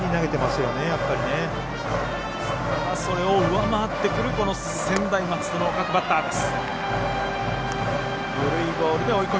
ただ、それを上回ってくる専大松戸の各バッターです。